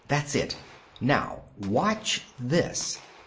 "That's it. Now, watch this."